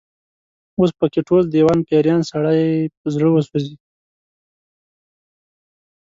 اوس په کې ټول، دېوان پيریان، سړی په زړه وسوځي